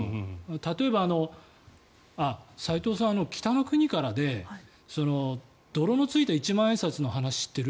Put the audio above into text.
例えば、斎藤さん「北の国から」で泥のついた一万円札の話知ってる？